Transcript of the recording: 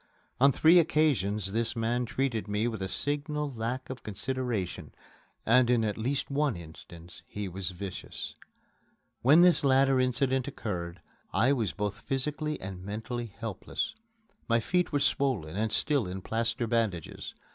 On three occasions this man treated me with a signal lack of consideration, and in at least one instance he was vicious. When this latter incident occurred, I was both physically and mentally helpless. My feet were swollen and still in plaster bandages.